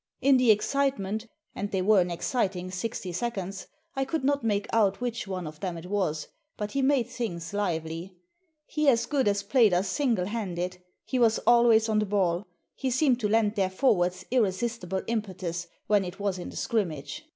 In the excitement — and they were an exciting sixty seconds — I could not make out which one of them it was; but he made things lively. He as good as played us single handed ; he was always on the ball ; he seemed to lend their forwards irresistible impetus when it was in the scrimmage.